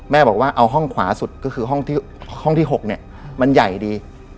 บอกว่าเอาห้องขวาสุดก็คือห้องที่๖เนี่ยมันใหญ่ดี